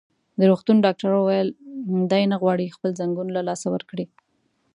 د روغتون ډاکټر وویل: دی نه غواړي خپل ځنګون له لاسه ورکړي.